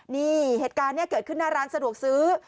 นี่เหตุการณ์นี้เกิดขึ้นหน้าร้านสะดวกซื้อ